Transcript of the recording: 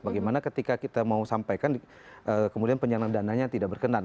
bagaimana ketika kita mau sampaikan kemudian penyandang dananya tidak berkenan